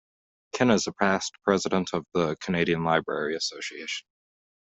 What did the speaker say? Ken is a past president of the Canadian Library Association.